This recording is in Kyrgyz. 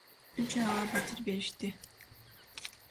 Үч айга батир беришти.